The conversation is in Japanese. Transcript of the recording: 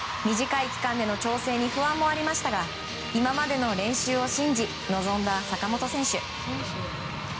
短い期間での調整に不安もありましたが今までの練習を信じ臨んだ坂本選手。